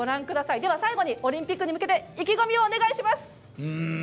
では最後のオリンピックに向けて意気込みをお願いします。